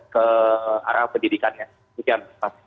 ke arah pendidikannya demikian mas